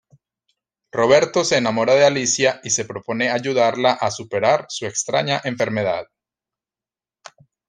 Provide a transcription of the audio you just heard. Roberto se enamora de Alicia y se propone ayudarla a superar su extraña enfermedad.